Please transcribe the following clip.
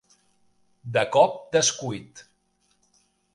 De cop descuit.